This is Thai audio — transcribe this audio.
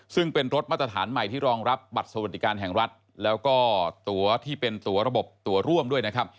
ซึ่งเป็นรถมาตรฐานใหม่ที่รองรับบัตรสวัสดิการแห่งรัฐแล้วก็ตัวที่เป็นตัวระบบตัวร่วมด้วยนะครับ